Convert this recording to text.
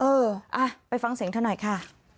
เอออ่ะไปฟังเสียงเธอหน่อยค่ะ